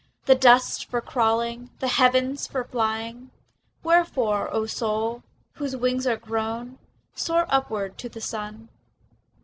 The dust's for crawling, heaven's for flying— Wherefore, O soul, whose wings are grown, Soar upward to the sun!